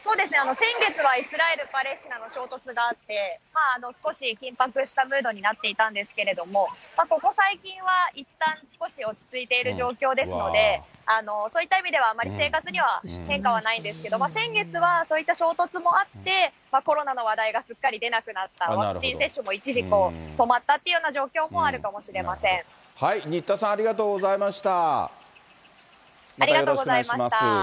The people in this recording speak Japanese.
先月はイスラエル、パレスチナの衝突があって、少し緊迫したムードになっていたんですけれども、ここ最近は、いったん少し落ち着いている状況ですので、そういった意味ではあまり生活には変化はないんですけれども、先月はそういった衝突もあって、コロナの話題がすっかり出なくなった、ワクチン接種も一時止まったっていうような状況もあるかもしれま新田さん、ありがとうございありがとうございました。